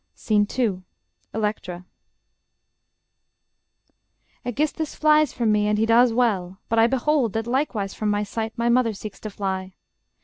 SCENE II ELECTRA Electra Aegisthus flies from me, and he does well; But I behold that likewise from my sight My mother seeks to fly.